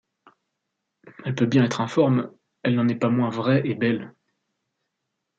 Elle peut bien être informe, elle n'en est pas moins vraie et belle.